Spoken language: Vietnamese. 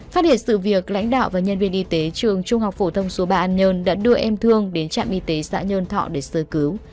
phát hiện sự việc lãnh đạo và nhân viên y tế trường trung học phổ thông số ba an nhơn đã đưa em thương đến trạm y tế xã nhơn thọ để sơ cứu